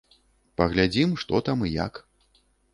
Паглядзім, што там і як.